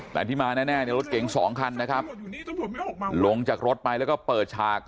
แต่ที่มาแน่เนี่ยรถเก๋งสองคันนะครับลงจากรถไปแล้วก็เปิดฉาก